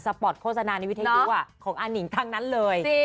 สปอร์ตโฆษณาในวิทยาลัยอุปกรณ์ของอันนิ่งทั้งนั้นเลย